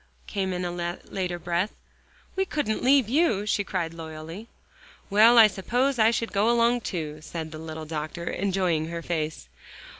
came in a later breath, "we couldn't leave you," she cried loyally. "Well, I suppose I should go along too," said the little doctor, enjoying her face.